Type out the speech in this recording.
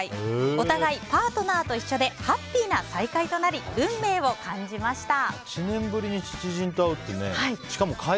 お互い、パートナーと一緒でハッピーな再会となり運命を感じました。